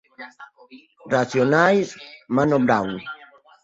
Racionais, Mano Brown